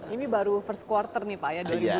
ini baru first quarter nih pak ya dua ribu dua puluh tiga